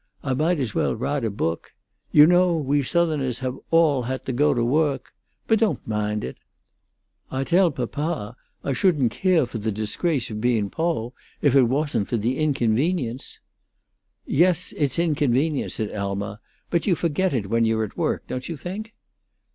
Ali maght as well wrahte a book. You know we Southerners have all had to go to woak. But Ah don't mand it. I tell papa I shouldn't ca' fo' the disgrace of bein' poo' if it wasn't fo' the inconvenience." "Yes, it's inconvenient," said Alma; "but you forget it when you're at work, don't you think?"